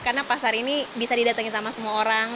karena pasar ini bisa didatangi sama semua orang